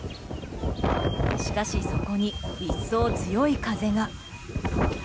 しかし、そこに一層強い風が。